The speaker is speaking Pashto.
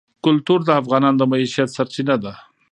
کلتور د افغانانو د معیشت سرچینه ده.